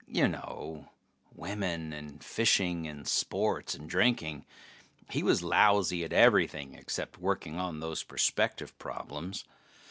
You know ... women and fishing and sports and drinking; he was lousy at everything except working those perspective problems.